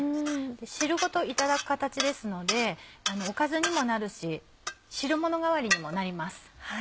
汁ごといただく形ですのでおかずにもなるし汁もの代わりにもなります。